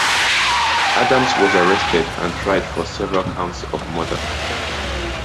Adams was arrested and tried for several counts of murder.